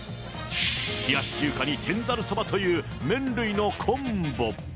冷やし中華に天ざるそばという、麺類のコンボ。